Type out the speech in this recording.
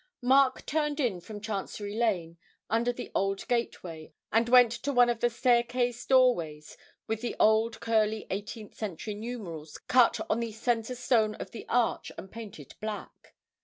Mark turned in from Chancery Lane under the old gateway, and went to one of the staircase doorways with the old curly eighteenth century numerals cut on the centre stone of the arch and painted black.